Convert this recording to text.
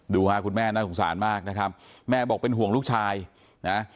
ดูค่ะคุณแม่น่าสงสารมากนะครับแม่บอกเป็นห่วงลูกชายนะ